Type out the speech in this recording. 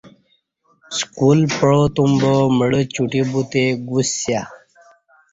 سکول پاع توم با مڑہ چوٹی بوتہ گوسیا